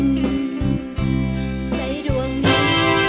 ในดวงนี้